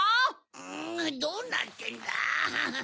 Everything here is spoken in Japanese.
うぅどうなってんだ？